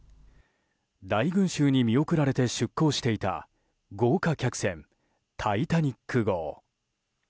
大群衆に見送られて出航していた豪華客船「タイタニック号」。